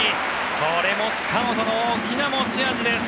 これも近本の大きな持ち味です。